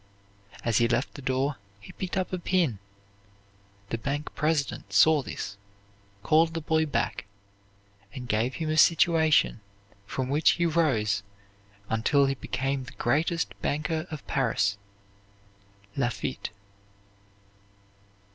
As he left the door, he picked up a pin. The bank president saw this, called the boy back, and gave him a situation from which he rose until he became the greatest banker of Paris, Laffitte.